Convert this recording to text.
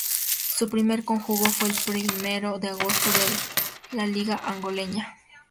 Su primer conjunto fue el Primeiro de Agosto, de la liga angoleña.